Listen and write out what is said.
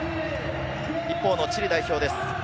一方のチリ代表です。